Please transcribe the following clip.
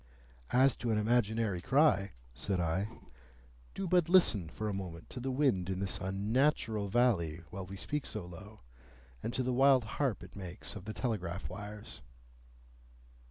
"As to an imaginary cry," said I, "do but listen for a moment to the wind in this unnatural valley while we speak so low, and to the wild harp it makes of the telegraph wires."